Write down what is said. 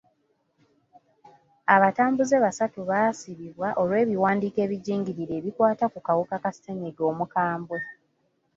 Abatambuze basatu baasibibwa olw'ebiwandiiko ebijingirire ebikwata ku kawuka ka sennyiga omukambwe.